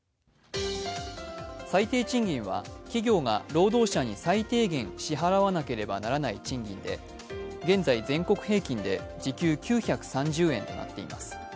最低賃金は企業が労働者に最低限支払わなければならない賃金で、現在全国平均で時給９３０円となっています。